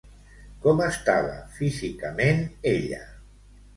Com estava físicament ella?